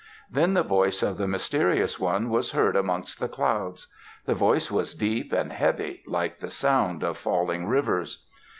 Then the voice of the Mysterious One was heard amongst the clouds. The voice was deep and heavy, like the sound of falling rivers.